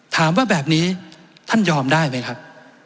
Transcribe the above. ถามว่าแบบนี้ท่านยอมได้ไหมครับ